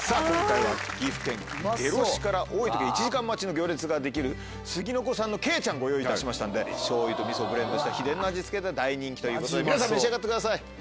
今回は岐阜県下呂市から多い時は１時間待ちの行列ができる杉の子さんの鶏ちゃんご用意いたしましたんでしょうゆとみそをブレンドした秘伝の味付けが大人気という皆さん召し上がってください。